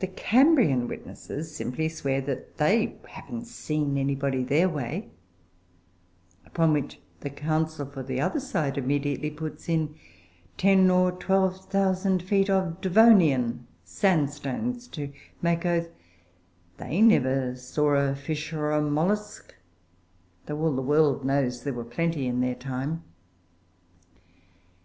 The Cambrian witnesses simply swear they "haven't seen anybody their way"; upon which the counsel for the other side immediately puts in ten or twelve thousand feet of Devonian sandstones to make oath they never saw a fish or a mollusk, though all the world knows there were plenty in their time.